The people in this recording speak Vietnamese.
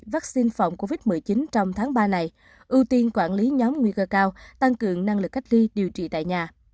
vaccine phòng covid một mươi chín trong tháng ba này ưu tiên quản lý nhóm nguy cơ cao tăng cường năng lực cách ly điều trị tại nhà